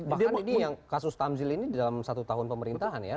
bahkan ini yang kasus tamzil ini dalam satu tahun pemerintahan ya